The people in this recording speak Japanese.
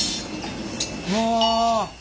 うわ。